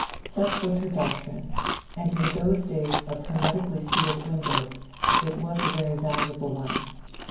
Such was her doctrine; and in those days of hermetically scaled windows it was a very valuable one.